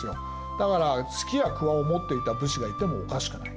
だからすきやくわを持っていた武士がいてもおかしくない。